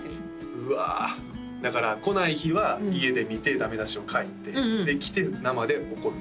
うわだから来ない日は家で見てダメ出しを書いてで来て生で怒る？